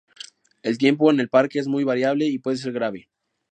El tiempo en el parque es muy variable, y puede ser grave.